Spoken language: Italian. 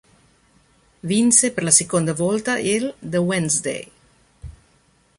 Vinse per la seconda volta il The Wednesday.